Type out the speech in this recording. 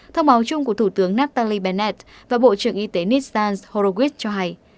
thông báo chung của thủ tướng nathalie bennett và bộ trưởng y tế nissan horowitz cho hay